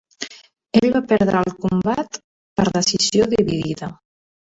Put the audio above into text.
Ell va perdre el combat per decisió dividida.